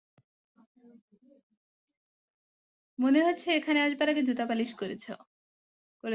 মনে হচ্ছে এখানে আসবার আগে জুতা পালিশ করেছে।